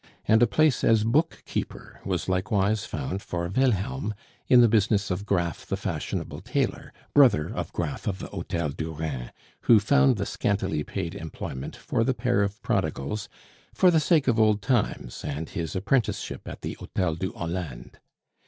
And a place as book keeper was likewise found for Wilhelm, in the business of Graff the fashionable tailor, brother of Graff of the Hotel du Rhin, who found the scantily paid employment for the pair of prodigals, for the sake of old times, and his apprenticeship at the Hotel de Hollande.